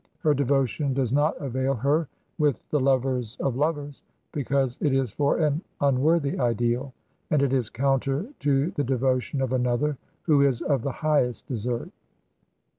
Her devotion does not avail her with the lovers of lovers because it is for an imworthy ideal, and it is counter to the devotion of another who is of the highest desert.